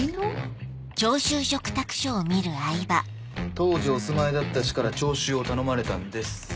当時お住まいだった市から徴収を頼まれたんです。